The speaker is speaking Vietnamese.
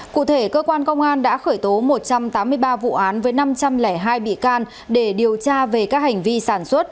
cụ thể cơ quan công an đã khởi tố một trăm tám mươi ba vụ án với năm trăm linh hai bị can để điều tra về các hành vi sản xuất